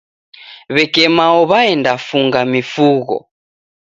W'eke mao w'aenda funga mifugho